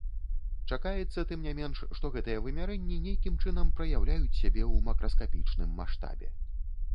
Чакаецца, тым не менш, што гэтыя вымярэнні нейкім чынам праяўляюць сябе ў макраскапічным маштабе.